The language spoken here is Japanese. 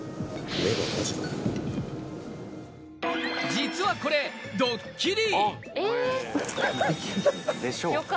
実はこれ、ドッキリ！